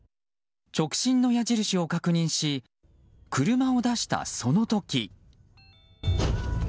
直進の矢印を確認し車を出したその時。